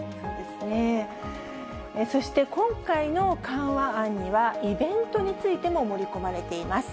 そして今回の緩和案にはイベントについても盛り込まれています。